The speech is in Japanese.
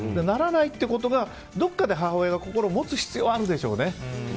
ならないということはどこかで母親が心を持つ必要はあるでしょうね。